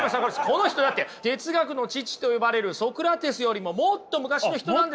この人だって哲学の父と呼ばれるソクラテスよりももっと昔の人なんですよ。